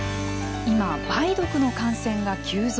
今、梅毒の感染が急増。